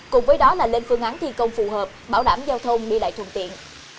cùng với đó là lên phương án thi công phù hợp bảo đảm giao thông đi lại thuận tiện